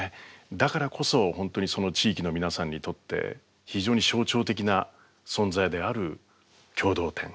だからこそ本当にその地域の皆さんにとって非常に象徴的な存在である共同店